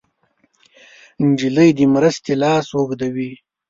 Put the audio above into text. نجلۍ د مرستې لاس اوږدوي.